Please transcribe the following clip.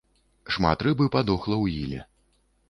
Шмат рыбы падохла ў іле.